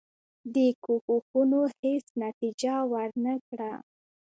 دې کوښښونو هیڅ نتیجه ورنه کړه.